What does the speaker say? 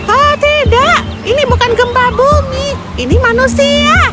oh tidak ini bukan gempa bumi ini manusia